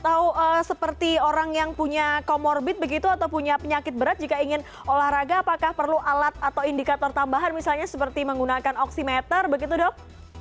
atau seperti orang yang punya comorbid begitu atau punya penyakit berat jika ingin olahraga apakah perlu alat atau indikator tambahan misalnya seperti menggunakan oksimeter begitu dok